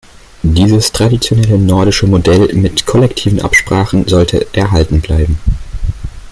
Dieses traditionelle nordische Modell mit kollektiven Absprachen sollte erhalten bleiben.